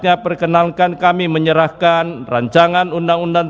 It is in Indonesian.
apakah rancangan undang undang